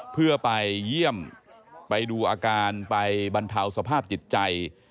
เพื่อไปเยี่ยมไปดูอาการไปบรรเทาสภาพจิตใจ